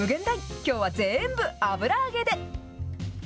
きょうは全部、油揚げで。